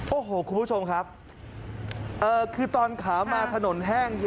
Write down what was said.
โอ้โหคุณผู้ชมครับคือตอนขามาถนนแห้ง